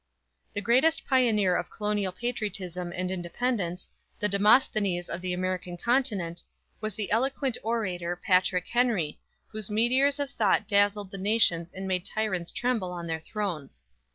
_ The greatest pioneer of Colonial patriotism and independence, the Demosthenes of the American Continent, was the eloquent orator, PATRICK HENRY, whose meteors of thought dazzled the nations and made tyrants tremble on their thrones.